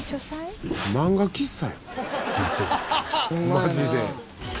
マジで。